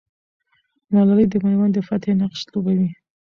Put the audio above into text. ملالۍ د مېوند د فتحې نقش لوبوي.